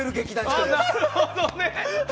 なるほどね！